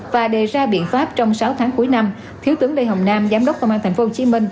và đề ra biện pháp trong sáu tháng cuối năm thiếu tướng lê hồng nam giám đốc công an tp hcm